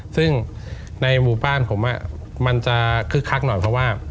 ซึ่งในหมู่บ้านผมมันจะคึกคักหน่อยเพราะว่า